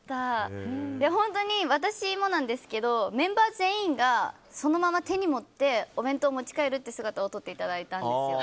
本当に、私もなんですけどメンバー全員がそのまま手に持ってお弁当を持ち帰るという姿を撮っていただいたんですよ。